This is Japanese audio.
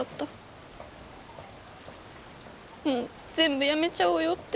もう全部やめちゃおうよって。